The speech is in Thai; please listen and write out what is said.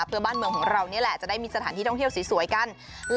เพื่อบ้านเมืองของเรานี่แหละจะได้มีสถานที่ท่องเที่ยวสวยกัน